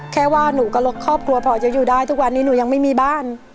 แค่ว่าหนูกับครอบครัวพอจะอยู่ได้ทุกวันนี้หนูยังไม่มีบ้าน